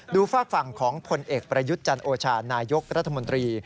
ฝากฝั่งของผลเอกประยุทธ์จันโอชานายกรัฐมนตรี